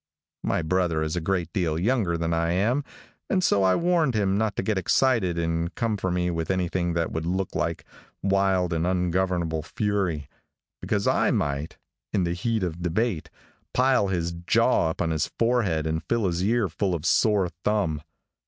My brother is a great deal younger than I am and so I warned him not to get excited and come for me with anything that would look like wild and ungovernable fury, because I might, in the heat of debate, pile his jaw up on his forehead and fill his ear full of sore thumb.